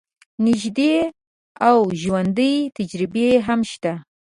نژدې او ژوندۍ تجربې هم شته.